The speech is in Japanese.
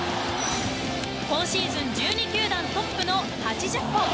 今シーズン１２球団トップの８０本。